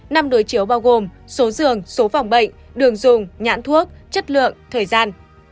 năm đối chiếu bao gồm số giường số phòng bệnh đường dùng nhãn thuốc chất lượng thời gian